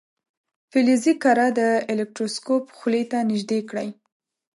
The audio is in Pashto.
فلزي کره د الکتروسکوپ خولې ته نژدې کړئ.